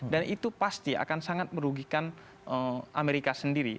dan itu pasti akan sangat merugikan amerika sendiri